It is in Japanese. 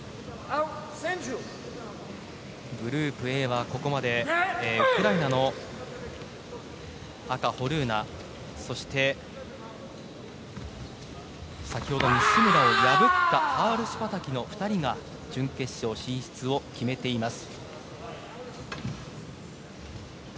グループＡはここまでウクライナの赤、ホルーナそして、先ほど西村を破ったハールシュパタキの２人が準決勝進出を決めています。